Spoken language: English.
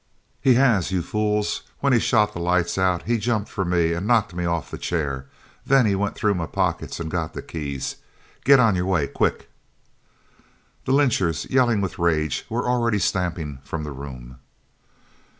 "He has, you fools! When he shot the lights out he jumped for me and knocked me off the chair. Then he went through my pockets and got the keys. Get on your way! Quick!" The lynchers, yelling with rage, were already stamping from the room.